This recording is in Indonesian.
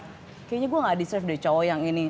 kayaknya gue gak deserve deh cowok yang ini